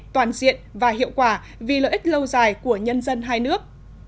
toàn diện và hiệu quả vì lợi ích lâu dài của nhân dân hai nước